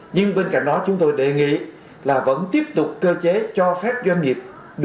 nhưng bên cạnh đó chúng tôi đề nghị là vẫn tiếp tục cơ chế cho phép doanh nghiệp